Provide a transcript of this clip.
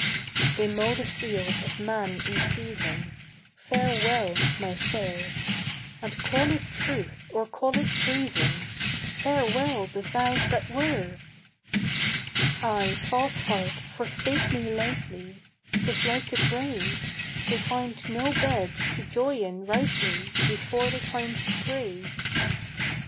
"They mow the field of man in season: Farewell, my fair, And, call it truth or call it treason, Farewell the vows that were." "Ay, false heart, forsake me lightly: 'Tis like the brave. They find no bed to joy in rightly Before they find the grave.